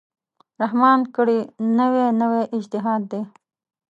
رحمان کړی، نوی نوی اجتهاد دی